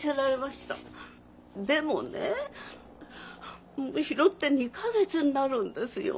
でもねもう拾って２か月になるんですよ。